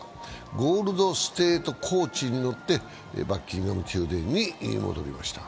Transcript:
ゴールド・ステート・コーチに乗ってバッキンガム宮殿に戻りました。